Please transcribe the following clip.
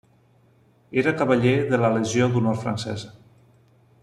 Era Cavaller de la Legió d'Honor francesa.